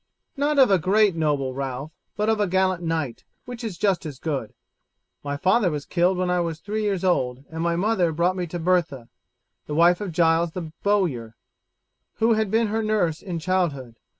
"Not of a great noble, Ralph, but of a gallant knight, which is just as good. My father was killed when I was three years old, and my mother brought me to Bertha, the wife of Giles the bowyer, who had been her nurse in childhood.